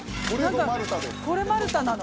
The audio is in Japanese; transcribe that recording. これマルタなの？